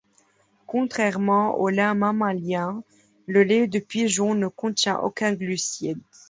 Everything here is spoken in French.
Contrairement au lait mammalien, le lait de pigeon ne contient aucun glucide.